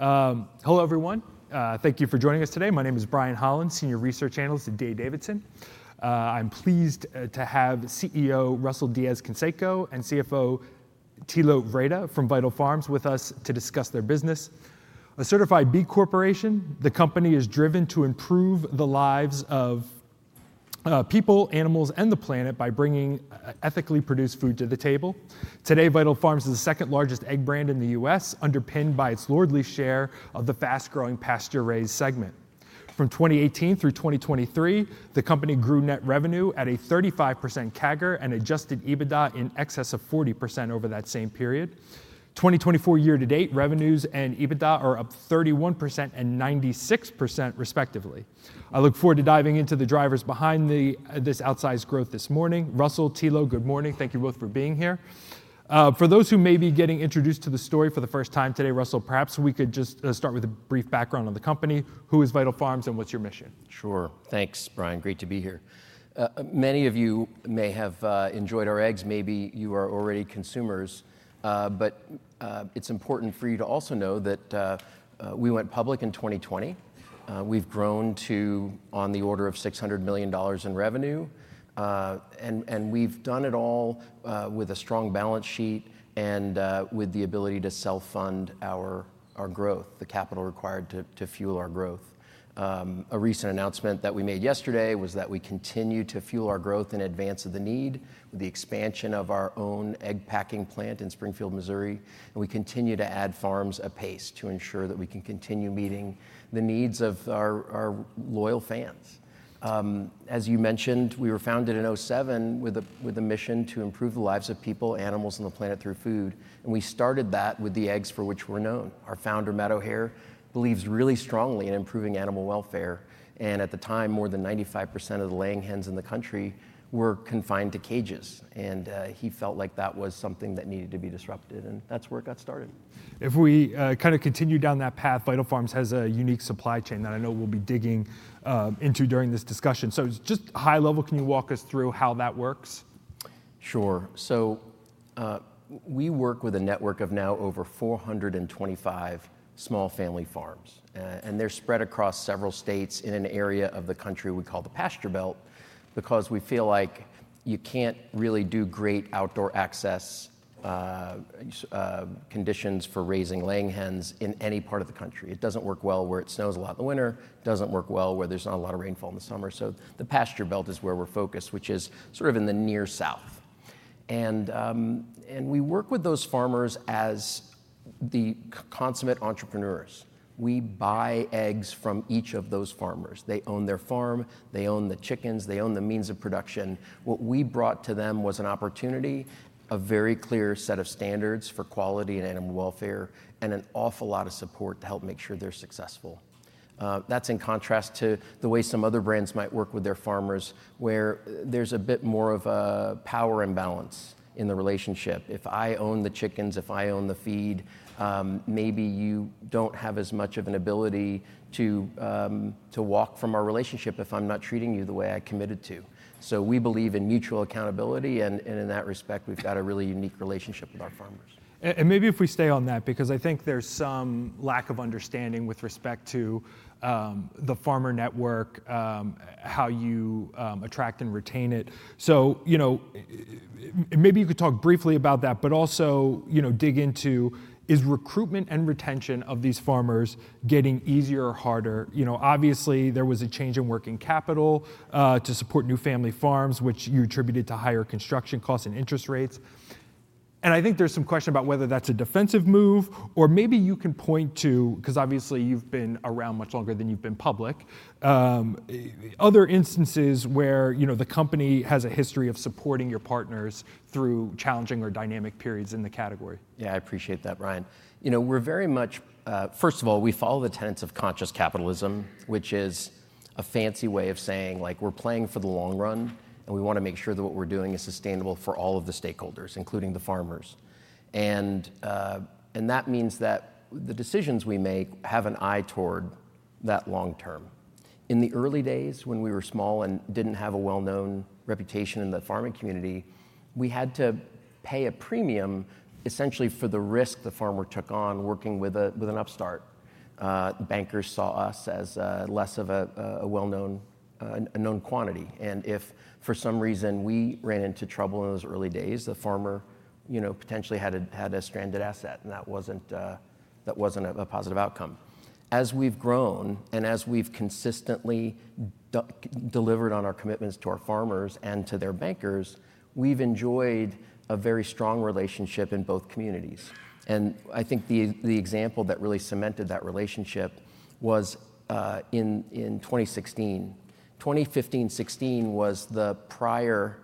Hello, everyone. Thank you for joining us today. My name is Brian Holland, Senior Research Analyst at D.A. Davidson. I'm pleased to have CEO Russell Diez-Canseco and CFO Thilo Wrede from Vital Farms with us to discuss their business. A Certified B Corporation, the company is driven to improve the lives of people, animals, and the planet by bringing ethically produced food to the table. Today, Vital Farms is the second largest egg brand in the U.S., underpinned by its leading share of the fast-growing pasture-raised segment. From 2018 through 2023, the company grew net revenue at a 35% CAGR and Adjusted EBITDA in excess of 40% over that same period. 2024 year-to-date, revenues and EBITDA are up 31% and 96%, respectively. I look forward to diving into the drivers behind this outsized growth this morning. Russell, Thilo, good morning. Thank you both for being here. For those who may be getting introduced to the story for the first time today, Russell, perhaps we could just start with a brief background on the company. Who is Vital Farms and what's your mission? Sure. Thanks, Brian. Great to be here. Many of you may have enjoyed our eggs. Maybe you are already consumers. But it's important for you to also know that we went public in 2020. We've grown to on the order of $600 million in revenue. And we've done it all with a strong balance sheet and with the ability to self-fund our growth, the capital required to fuel our growth. A recent announcement that we made yesterday was that we continue to fuel our growth in advance of the need with the expansion of our own egg-packing plant in Springfield, Missouri. And we continue to add farms apace to ensure that we can continue meeting the needs of our loyal fans. As you mentioned, we were founded in 2007 with a mission to improve the lives of people, animals, and the planet through food. We started that with the eggs for which we're known. Our founder, Matt O'Hayer, believes really strongly in improving animal welfare. At the time, more than 95% of the laying hens in the country were confined to cages. He felt like that was something that needed to be disrupted. That's where it got started. If we kind of continue down that path, Vital Farms has a unique supply chain that I know we'll be digging into during this discussion. So just high level, can you walk us through how that works? Sure. So we work with a network of now over 425 small family farms. And they're spread across several states in an area of the country we call the Pasture Belt because we feel like you can't really do great outdoor access conditions for raising laying hens in any part of the country. It doesn't work well where it snows a lot in the winter. It doesn't work well where there's not a lot of rainfall in the summer. So the Pasture Belt is where we're focused, which is sort of in the near South. And we work with those farmers as the consummate entrepreneurs. We buy eggs from each of those farmers. They own their farm. They own the chickens. They own the means of production. What we brought to them was an opportunity, a very clear set of standards for quality and animal welfare, and an awful lot of support to help make sure they're successful. That's in contrast to the way some other brands might work with their farmers, where there's a bit more of a power imbalance in the relationship. If I own the chickens, if I own the feed, maybe you don't have as much of an ability to walk from our relationship if I'm not treating you the way I committed to. So we believe in mutual accountability. And in that respect, we've got a really unique relationship with our farmers. Maybe if we stay on that, because I think there's some lack of understanding with respect to the farmer network, how you attract and retain it. Maybe you could talk briefly about that, but also dig into is recruitment and retention of these farmers getting easier or harder? Obviously, there was a change in working capital to support new family farms, which you attributed to higher construction costs and interest rates. I think there's some question about whether that's a defensive move. Maybe you can point to, because obviously you've been around much longer than you've been public, other instances where the company has a history of supporting your partners through challenging or dynamic periods in the category. Yeah, I appreciate that, Brian. We're very much, first of all, we follow the tenets of conscious capitalism, which is a fancy way of saying we're playing for the long run. And we want to make sure that what we're doing is sustainable for all of the stakeholders, including the farmers. And that means that the decisions we make have an eye toward that long term. In the early days when we were small and didn't have a well-known reputation in the farming community, we had to pay a premium essentially for the risk the farmer took on working with an upstart. Bankers saw us as less of a well-known quantity. And if for some reason we ran into trouble in those early days, the farmer potentially had a stranded asset. And that wasn't a positive outcome. As we've grown and as we've consistently delivered on our commitments to our farmers and to their bankers, we've enjoyed a very strong relationship in both communities. And I think the example that really cemented that relationship was in 2016. 2015, 2016 was the prior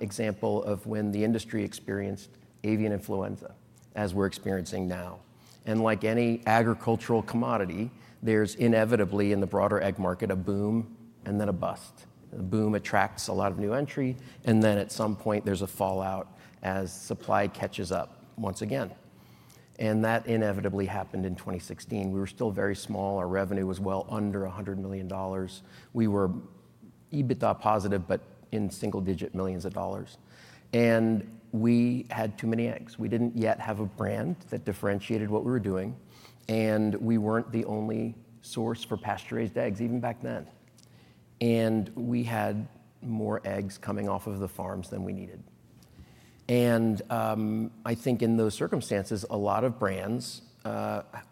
example of when the industry experienced avian influenza, as we're experiencing now and like any agricultural commodity, there's inevitably in the broader egg market a boom and then a bust. The boom attracts a lot of new entry. And then at some point, there's a fallout as supply catches up once again. And that inevitably happened in 2016. We were still very small. Our revenue was well under $100 million. We were EBITDA positive, but in single-digit millions of dollars. And we had too many eggs. We didn't yet have a brand that differentiated what we were doing. And we weren't the only source for pasture-raised eggs, even back then. And we had more eggs coming off of the farms than we needed. And I think in those circumstances, a lot of brands were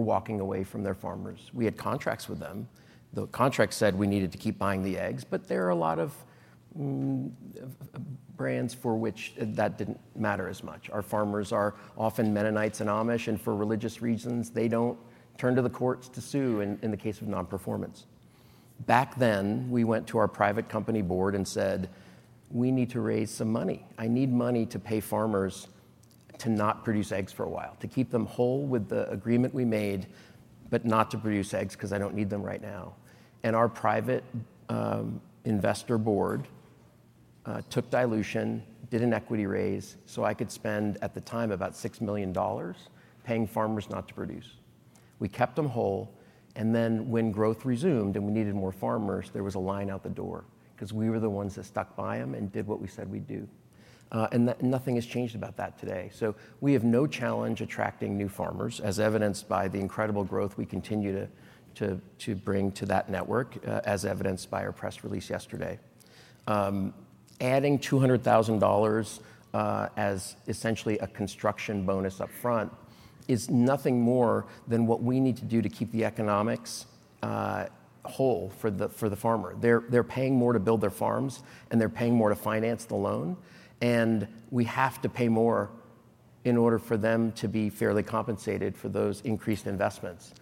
walking away from their farmers. We had contracts with them. The contract said we needed to keep buying the eggs. But there are a lot of brands for which that didn't matter as much. Our farmers are often Mennonites and Amish and for religious reasons, they don't turn to the courts to sue in the case of non-performance. Back then, we went to our private company board and said, we need to raise some money. I need money to pay farmers to not produce eggs for a while, to keep them whole with the agreement we made, but not to produce eggs because I don't need them right now. And our private investor board took dilution, did an equity raise so I could spend, at the time, about $6 million paying farmers not to produce. We kept them whole. And then when growth resumed and we needed more farmers, there was a line out the door because we were the ones that stuck by them and did what we said we'd do. And nothing has changed about that today. So we have no challenge attracting new farmers, as evidenced by the incredible growth we continue to bring to that network, as evidenced by our press release yesterday. Adding $200,000 as essentially a construction bonus upfront is nothing more than what we need to do to keep the economics whole for the farmer. They're paying more to build their farms, and they're paying more to finance the loan. And we have to pay more in order for them to be fairly compensated for those increased investments.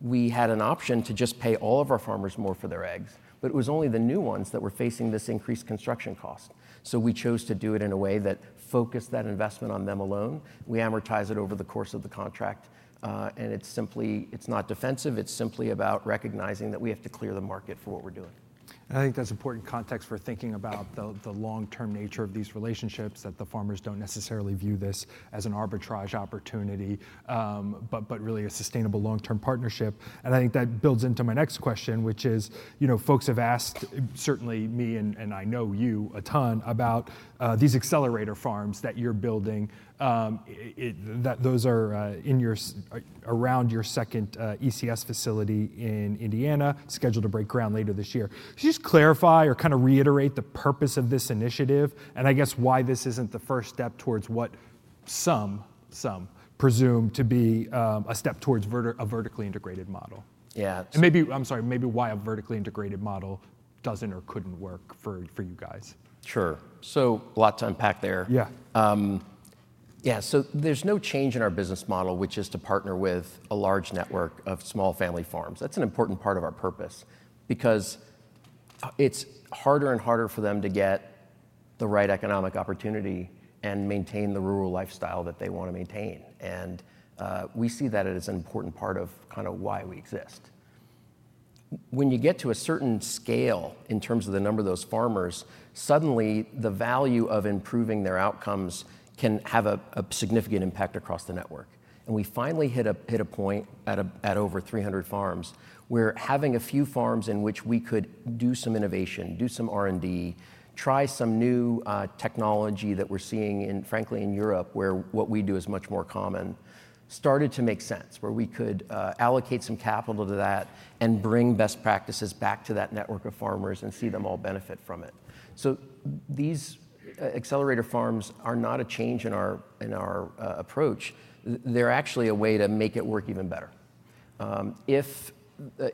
We had an option to just pay all of our farmers more for their eggs. But it was only the new ones that were facing this increased construction cost. So we chose to do it in a way that focused that investment on them alone. We amortize it over the course of the contract. And it's not defensive. It's simply about recognizing that we have to clear the market for what we're doing. I think that's important context for thinking about the long-term nature of these relationships, that the farmers don't necessarily view this as an arbitrage opportunity, but really a sustainable long-term partnership, and I think that builds into my next question, which is folks have asked, certainly me and I know you a ton, about these accelerator farms that you're building. Those are around your second ECS facility in Indiana, scheduled to break ground later this year. Could you just clarify or kind of reiterate the purpose of this initiative and I guess why this isn't the first step towards what some presume to be a step towards a vertically integrated model? Yeah. Maybe, I'm sorry, maybe why a vertically integrated model doesn't or couldn't work for you guys? Sure. So a lot to unpack there. Yeah. Yeah. So there's no change in our business model, which is to partner with a large network of small family farms. That's an important part of our purpose because it's harder and harder for them to get the right economic opportunity and maintain the rural lifestyle that they want to maintain. And we see that as an important part of kind of why we exist. When you get to a certain scale in terms of the number of those farmers, suddenly the value of improving their outcomes can have a significant impact across the network. We finally hit a point at over 300 farms where having a few farms in which we could do some innovation, do some R&D, try some new technology that we're seeing in, frankly, in Europe, where what we do is much more common, started to make sense, where we could allocate some capital to that and bring best practices back to that network of farmers and see them all benefit from it. These accelerator farms are not a change in our approach. They're actually a way to make it work even better.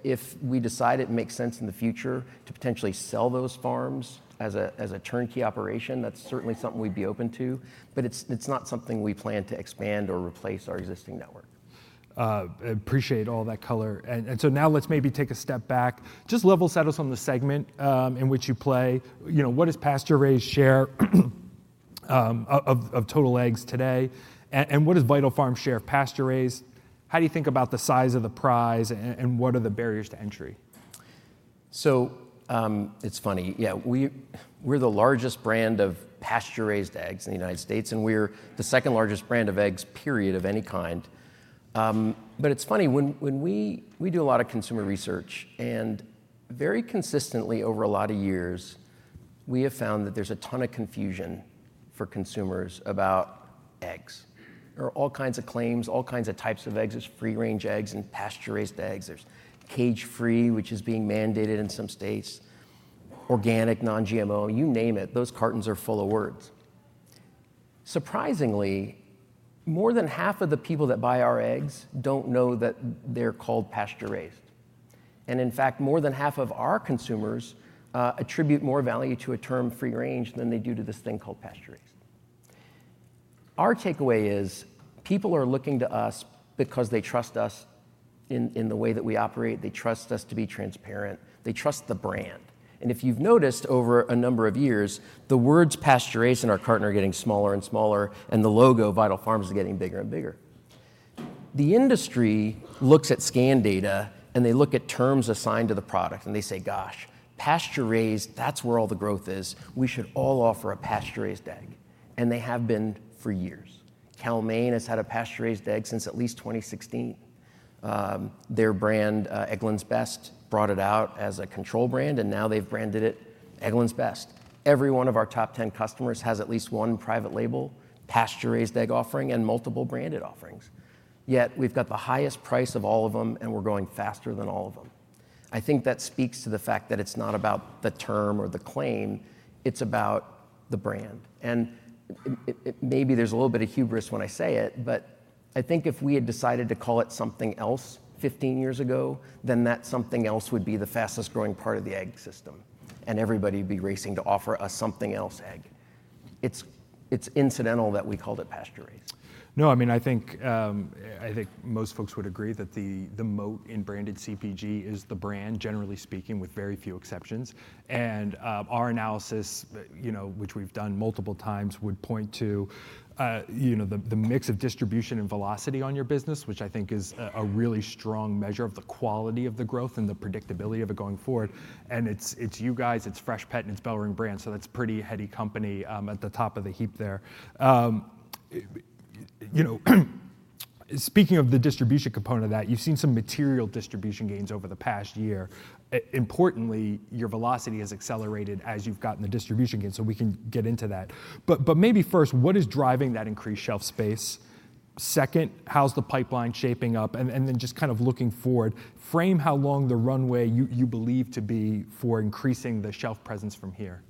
If we decide it makes sense in the future to potentially sell those farms as a turnkey operation, that's certainly something we'd be open to. It's not something we plan to expand or replace our existing network. I appreciate all that color, and so now let's maybe take a step back. Just level set us on the segment in which you play. What is pasture-raised share of total eggs today? And what is Vital Farms' share of pasture-raised? How do you think about the size of the prize and what are the barriers to entry? So it's funny. Yeah, we're the largest brand of pasture-raised eggs in the United States. And we're the second largest brand of eggs, period, of any kind. But it's funny. We do a lot of consumer research. And very consistently over a lot of years, we have found that there's a ton of confusion for consumers about eggs. There are all kinds of claims, all kinds of types of eggs. There's free-range eggs and pasture-raised eggs. There's cage-free, which is being mandated in some states, organic, non-GMO, you name it. Those cartons are full of words. Surprisingly, more than half of the people that buy our eggs don't know that they're called pasture-raised. And in fact, more than half of our consumers attribute more value to a term free-range than they do to this thing called pasture-raised. Our takeaway is people are looking to us because they trust us in the way that we operate. They trust us to be transparent. They trust the brand, and if you've noticed over a number of years, the words pasture-raised in our carton are getting smaller and smaller, and the logo Vital Farms is getting bigger and bigger. The industry looks at scan data, and they look at terms assigned to the product, and they say, gosh, pasture-raised, that's where all the growth is. We should all offer a pasture-raised egg, and they have been for years. Cal-Maine has had a pasture-raised egg since at least 2016. Their brand, Eggland's Best, brought it out as a control brand, and now they've branded it Eggland's Best. Every one of our top 10 customers has at least one private label pasture-raised egg offering and multiple branded offerings. Yet we've got the highest price of all of them, and we're going faster than all of them. I think that speaks to the fact that it's not about the term or the claim. It's about the brand. And maybe there's a little bit of hubris when I say it. But I think if we had decided to call it something else 15 years ago, then that something else would be the fastest growing part of the egg system. And everybody would be racing to offer us something else egg. It's incidental that we called it pasture-raised. No, I mean, I think most folks would agree that the moat in branded CPG is the brand, generally speaking, with very few exceptions. Our analysis, which we've done multiple times, would point to the mix of distribution and velocity on your business, which I think is a really strong measure of the quality of the growth and the predictability of it going forward. It's you guys. It's Freshpet and it's BellRing Brands. That's a pretty heady company at the top of the heap there. Speaking of the distribution component of that, you've seen some material distribution gains over the past year. Importantly, your velocity has accelerated as you've gotten the distribution gains. We can get into that. But maybe first, what is driving that increased shelf space? Second, how's the pipeline shaping up? Then just kind of looking forward, frame how long the runway you believe to be for increasing the shelf presence from here?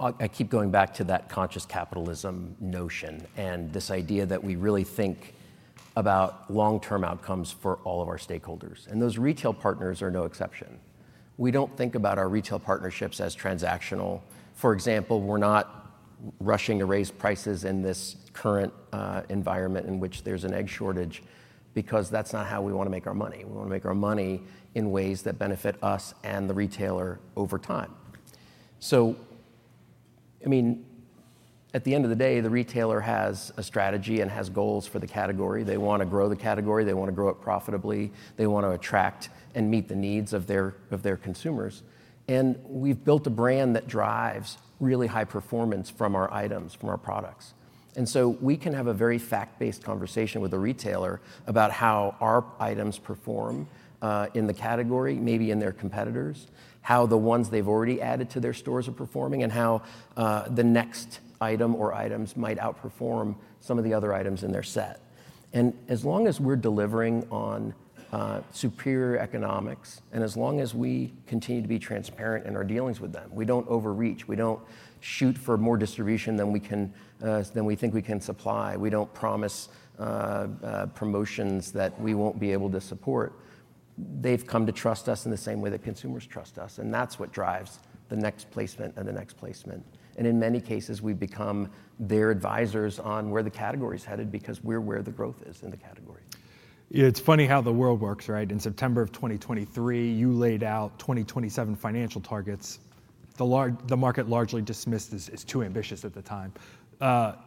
I keep going back to that Conscious Capitalism notion and this idea that we really think about long-term outcomes for all of our stakeholders, and those retail partners are no exception. We don't think about our retail partnerships as transactional. For example, we're not rushing to raise prices in this current environment in which there's an egg shortage because that's not how we want to make our money. We want to make our money in ways that benefit us and the retailer over time, so I mean, at the end of the day, the retailer has a strategy and has goals for the category. They want to grow the category. They want to grow it profitably. They want to attract and meet the needs of their consumers, and we've built a brand that drives really high performance from our items, from our products. And so we can have a very fact-based conversation with a retailer about how our items perform in the category, maybe in their competitors, how the ones they've already added to their stores are performing, and how the next item or items might outperform some of the other items in their set. And as long as we're delivering on superior economics and as long as we continue to be transparent in our dealings with them, we don't overreach. We don't shoot for more distribution than we think we can supply. We don't promise promotions that we won't be able to support. They've come to trust us in the same way that consumers trust us. And that's what drives the next placement and the next placement. And in many cases, we become their advisors on where the category is headed because we're where the growth is in the category. It's funny how the world works, right? In September of 2023, you laid out 2027 financial targets. The market largely dismissed this as too ambitious at the time.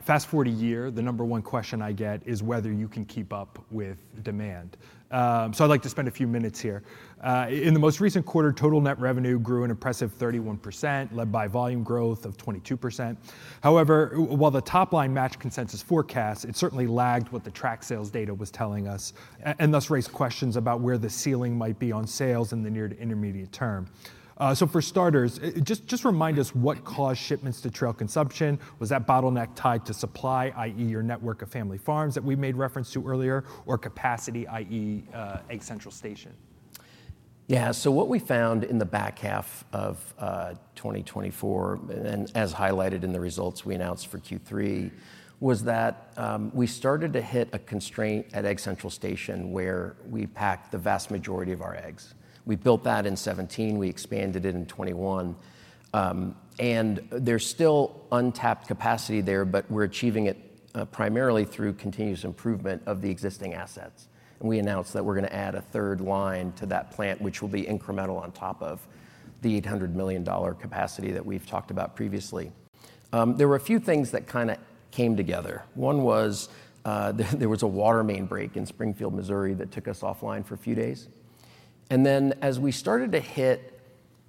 Fast forward a year, the number one question I get is whether you can keep up with demand. So I'd like to spend a few minutes here. In the most recent quarter, total net revenue grew an impressive 31%, led by volume growth of 22%. However, while the top line matched consensus forecasts, it certainly lagged what the track sales data was telling us and thus raised questions about where the ceiling might be on sales in the near to intermediate term. So for starters, just remind us what caused shipments to trail consumption. Was that bottleneck tied to supply, i.e., your network of family farms that we made reference to earlier, or capacity, i.e., Egg Central Station? Yeah. So what we found in the back half of 2024, and as highlighted in the results we announced for Q3, was that we started to hit a constraint at Egg Central Station where we packed the vast majority of our eggs. We built that in 2017. We expanded it in 2021. And there's still untapped capacity there, but we're achieving it primarily through continuous improvement of the existing assets. We announced that we're going to add a third line to that plant, which will be incremental on top of the $800 million capacity that we've talked about previously. There were a few things that kind of came together. One was there was a water main break in Springfield, Missouri, that took us offline for a few days. We started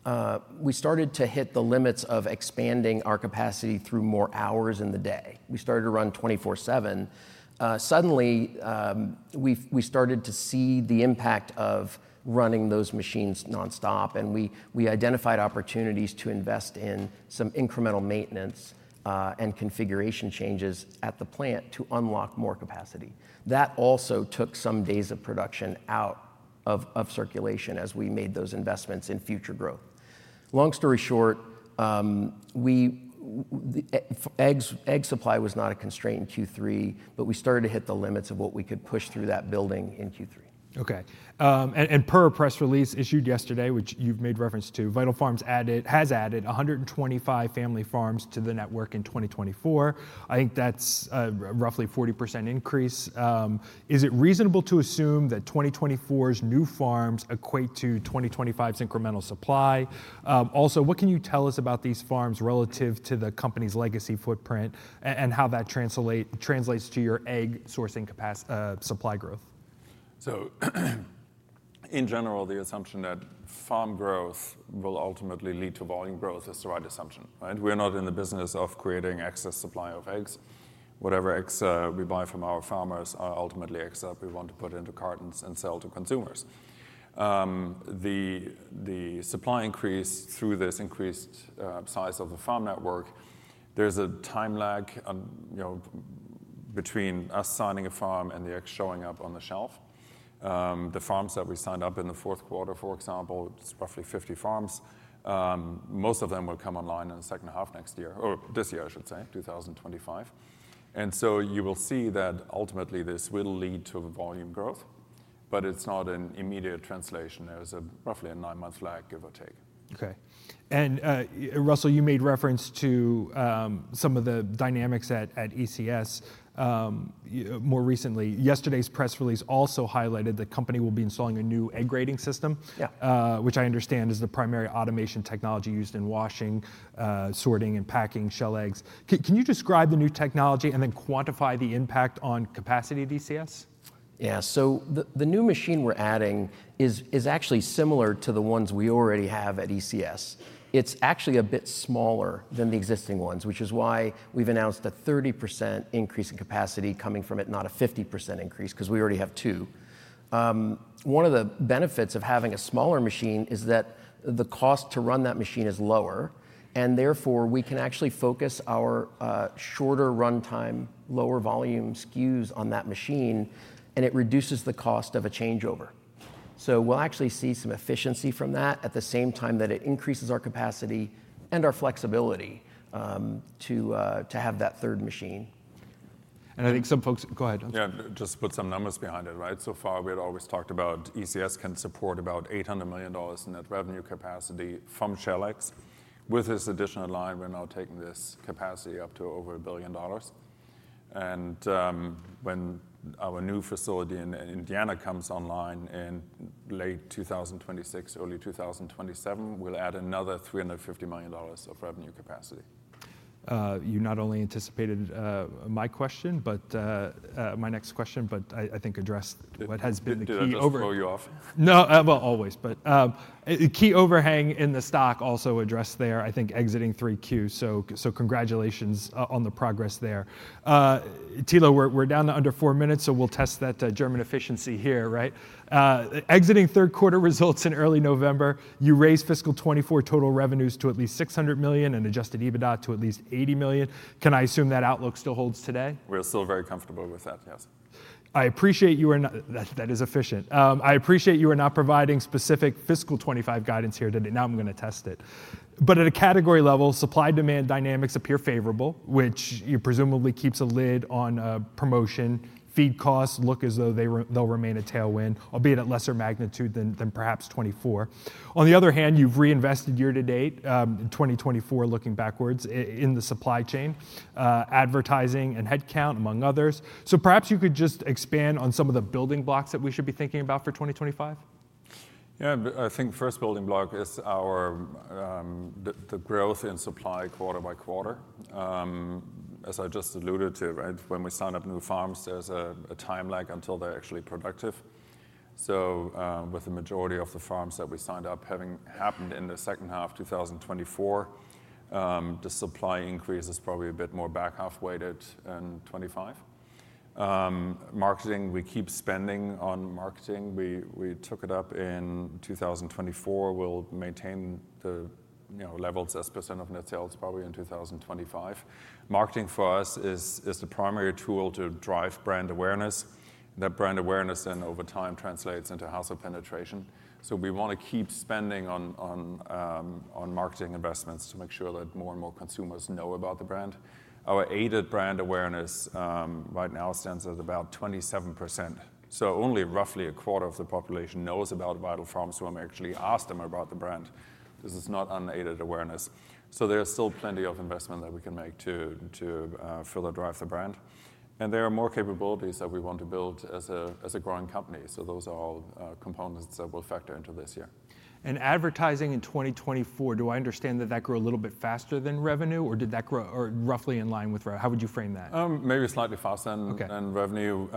to hit the limits of expanding our capacity through more hours in the day. We started to run 24/7. Suddenly, we started to see the impact of running those machines nonstop. We identified opportunities to invest in some incremental maintenance and configuration changes at the plant to unlock more capacity. That also took some days of production out of circulation as we made those investments in future growth. Long story short, egg supply was not a constraint in Q3, but we started to hit the limits of what we could push through that building in Q3. OK. And per a press release issued yesterday, which you've made reference to, Vital Farms has added 125 family farms to the network in 2024. I think that's a roughly 40% increase. Is it reasonable to assume that 2024's new farms equate to 2025's incremental supply? Also, what can you tell us about these farms relative to the company's legacy footprint and how that translates to your egg sourcing supply growth? In general, the assumption that farm growth will ultimately lead to volume growth is the right assumption. We're not in the business of creating excess supply of eggs. Whatever eggs we buy from our farmers are ultimately eggs that we want to put into cartons and sell to consumers. The supply increase through this increased size of the farm network, there's a time lag between us signing a farm and the eggs showing up on the shelf. The farms that we signed up in the fourth quarter, for example, it's roughly 50 farms. Most of them will come online in the second half next year, or this year, I should say, 2025. And so you will see that ultimately this will lead to volume growth. But it's not an immediate translation. There's roughly a nine-month lag, give or take. OK. Russell, you made reference to some of the dynamics at ECS more recently. Yesterday's press release also highlighted the company will be installing a new egg grading system, which I understand is the primary automation technology used in washing, sorting, and packing shell eggs. Can you describe the new technology and then quantify the impact on capacity at ECS? Yeah, so the new machine we're adding is actually similar to the ones we already have at ECS. It's actually a bit smaller than the existing ones, which is why we've announced a 30% increase in capacity coming from it, not a 50% increase, because we already have two. One of the benefits of having a smaller machine is that the cost to run that machine is lower, and therefore, we can actually focus our shorter runtime, lower volume SKUs on that machine, and it reduces the cost of a changeover, so we'll actually see some efficiency from that at the same time that it increases our capacity and our flexibility to have that third machine. I think some, folks go ahead. Yeah, just to put some numbers behind it, right? So far, we had always talked about ECS can support about $800 million in net revenue capacity from shell eggs. With this additional line, we're now taking this capacity up to over $1 billion. And when our new facility in Indiana comes online in late 2026, early 2027, we'll add another $350 million of revenue capacity. You not only anticipated my question, but my next question, I think addressed what has been the key over. Did I think I was going to throw you off? No, well, always. But the key overhang in the stock also addressed there, I think, exiting 3Q. So congratulations on the progress there. Thilo, we're down to under four minutes. So we'll test that German efficiency here, right? Exiting third quarter results in early November. You raised fiscal 2024 total revenues to at least $600 million and Adjusted EBITDA to at least $80 million. Can I assume that outlook still holds today? We're still very comfortable with that, yes. I appreciate that you're not providing specific fiscal 2025 guidance here today. Now, I'm going to touch on it, but at a category level, supply-demand dynamics appear favorable, which presumably keeps a lid on promotion. Feed costs look as though they'll remain a tailwind, albeit at lesser magnitude than perhaps 2024. On the other hand, you've reinvested year to date in 2024 in the supply chain, advertising, and headcount, among others, so perhaps you could just expand on some of the building blocks that we should be thinking about for 2025. Yeah. I think the first building block is the growth in supply quarter by quarter. As I just alluded to, when we sign up new farms, there's a time lag until they're actually productive. So with the majority of the farms that we signed up having happened in the second half of 2024, the supply increase is probably a bit more back half weighted in 2025. Marketing, we keep spending on marketing. We took it up in 2024. We'll maintain the levels as % of net sales probably in 2025. Marketing for us is the primary tool to drive brand awareness. That brand awareness then over time translates into household penetration. So we want to keep spending on marketing investments to make sure that more and more consumers know about the brand. Our aided brand awareness right now stands at about 27%. So only roughly a quarter of the population knows about Vital Farms when we actually ask them about the brand. This is not unaided awareness. So there's still plenty of investment that we can make to further drive the brand. And there are more capabilities that we want to build as a growing company. So those are all components that will factor into this year. Advertising in 2024, do I understand that that grew a little bit faster than revenue, or did that grow roughly in line with how would you frame that? Maybe slightly faster than revenue.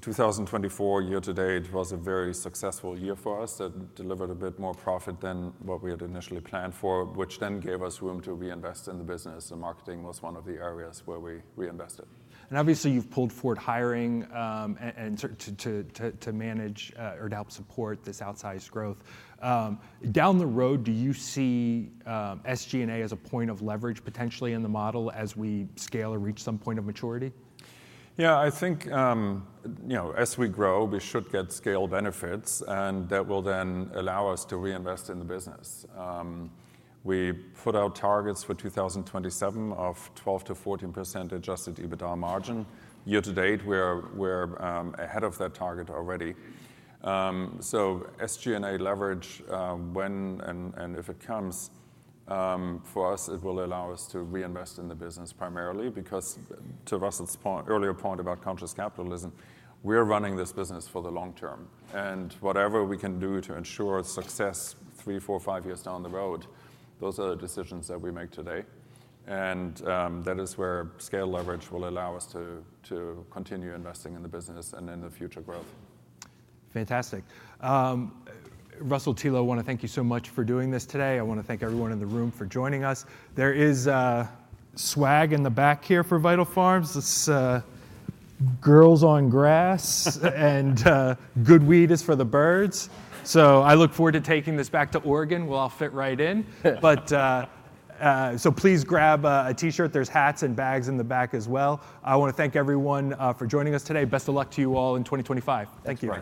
2024, year to date, was a very successful year for us. It delivered a bit more profit than what we had initially planned for, which then gave us room to reinvest in the business, and marketing was one of the areas where we reinvested. Obviously, you've pulled forward hiring to manage or to help support this outsized growth. Down the road, do you see SG&A as a point of leverage potentially in the model as we scale or reach some point of maturity? Yeah. I think as we grow, we should get scale benefits, and that will then allow us to reinvest in the business. We put out targets for 2027 of 12%-14% Adjusted EBITDA margin. year to date, we're ahead of that target already, so SG&A leverage, when and if it comes, for us, it will allow us to reinvest in the business primarily because to Russell's earlier point about Conscious Capitalism, we're running this business for the long term. Whatever we can do to ensure success three, four, five years down the road, those are the decisions that we make today, and that is where scale leverage will allow us to continue investing in the business and in the future growth. Fantastic. Russell, Thilo, I want to thank you so much for doing this today. I want to thank everyone in the room for joining us. There is swag in the back here for Vital Farms. It's Girls on Grass, and good weed is for the birds, so I look forward to taking this back to Oregon. We'll all fit right in, so please grab a T-shirt. There's hats and bags in the back as well. I want to thank everyone for joining us today. Best of luck to you all in 2025. Thank you.